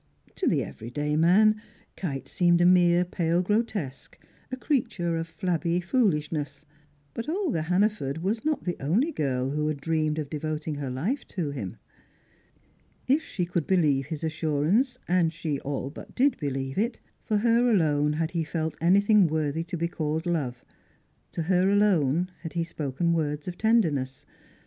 To the everyday man, Kite seemed a mere pale grotesque, a creature of flabby foolishness. But Olga Hannaford was not the only girl who had dreamed of devoting her life to him. If she could believe his assurance (and she all but did believe it), for her alone had he felt anything worthy to be called love, to her alone had he spoken words of tenderness.